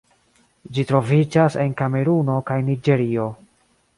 Ĝi troviĝas en Kameruno kaj Niĝerio.